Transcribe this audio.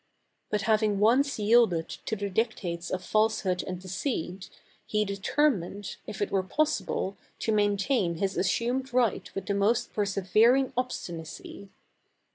But having once yielded to the dictates of falsehood and deceit, he determined, if it were possible, to maintain his assumed right with the most persevering obstinacy.